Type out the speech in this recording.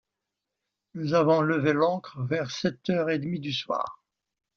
Nous avons levé l’ancre vers sept heures et demie du soir.